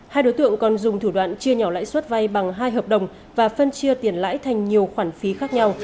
hai đối tượng còn dùng thủ đoạn chia nhỏ lãi suất vay bằng hai hợp đồng và phân chia tiền lãi thành nhiều khoản phí khác nhau